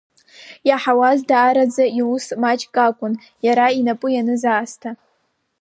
Иаҳауаз даараӡа иус маҷык акакәын, иара инапы ианыз аасҭа.